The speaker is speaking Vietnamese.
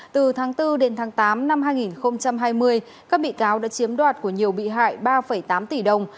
từ tháng bốn đến tháng tám năm hai nghìn hai mươi các bị cáo đã chiếm đoạt của nhiều bị hại ba tám tỷ đồng